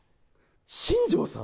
新庄さん？